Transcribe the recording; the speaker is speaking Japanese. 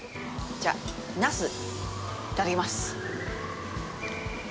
じゃあ、ナス、いただきます。